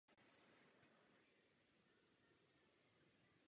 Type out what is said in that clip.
To vedlo k nemalé politické nestabilitě země.